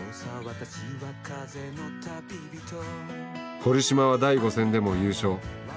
堀島は第５戦でも優勝。